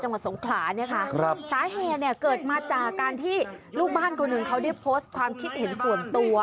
จังหวัดสงขลาเนี่ยค่ะครับสาเหตุเนี่ยเกิดมาจากการที่ลูกบ้านคนหนึ่งเขาได้โพสต์ความคิดเห็นส่วนตัว